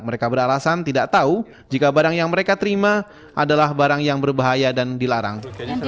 mereka beralasan tidak tahu jika barang yang mereka terima adalah barang yang berbahaya dan dilarang